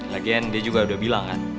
lagian dia juga udah bilang kan